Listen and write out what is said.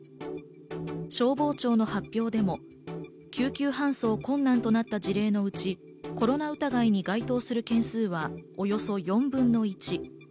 消防庁の発表でも救急搬送困難となった事例のうち、コロナ疑いに該当する件数はおよそ４分の１。